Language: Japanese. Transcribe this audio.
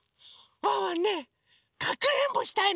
ワンワンねかくれんぼしたいの。